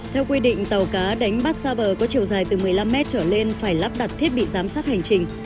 theo quy định tàu cá đánh bắt xa bờ có chiều dài từ một mươi năm mét trở lên phải lắp đặt thiết bị giám sát hành trình